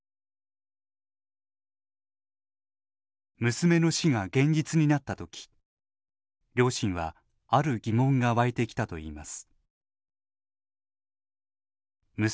娘の死が現実になった時両親はある疑問が湧いてきたといいます。